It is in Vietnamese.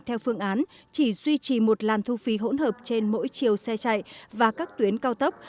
theo phương án chỉ duy trì một làn thu phí hỗn hợp trên mỗi chiều xe chạy và các tuyến cao tốc